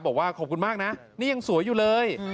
บอกว่าขอบคุณมากนะนี่ยังสวยอยู่เลย